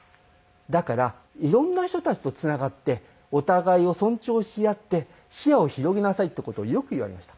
だからいろんな人たちとつながってお互いを尊重し合って視野を広げなさいっていう事をよく言われました。